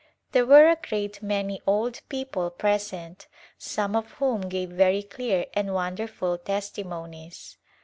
There were a great many old people present some of whom gave very clear and wonderful testimonies.